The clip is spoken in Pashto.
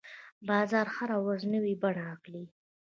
بازار هره ورځ نوې بڼه اخلي.